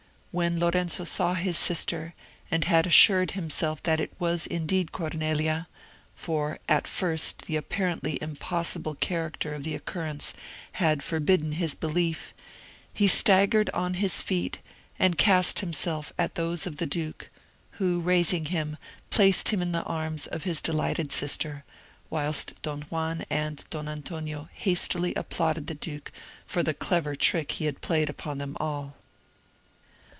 When Lorenzo saw his sister, and had assured himself it was indeed Cornelia,—for at first the apparently impossible character of the occurrence had forbidden his belief,—he staggered on his feet, and cast himself at those of the duke, who, raising him, placed him in the arms of his delighted sister, whilst Don Juan and Don Antonio hastily applauded the duke for the clever trick he had played upon them all.